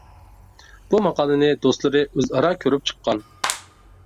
بۇ ماقالىنى دوستلىرى ئۆزئارا كۆرۈپ چىققان.